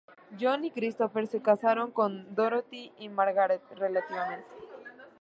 John y Christopher se casaron con Dorothy y Margaret, relativamente.